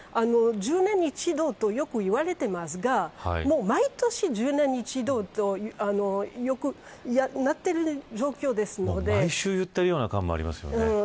１０年に一度とよく言われていますがもう毎年、１０年に一度と良くなっている状況ですので毎週、言っているような感じもありますよね。